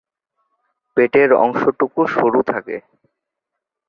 পেটের অংশটুকু সরু থাকে।